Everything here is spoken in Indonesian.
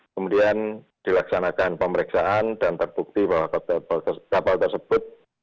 kemudian dilaksanakan pemeriksaan dan terbukti bahwa kapal tersebut